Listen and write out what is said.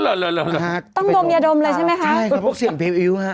อ๋อเหรอต้องดมยาดมเลยใช่ไหมคะใช่เพราะพวกเสี่ยงผิวอิ้วฮะ